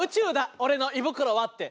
俺の胃袋は」って。